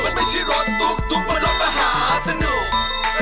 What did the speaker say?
มันไม่ใช่รถตุ๊กบนรถมหาสนุก